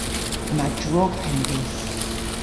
Yma drog penn dhis.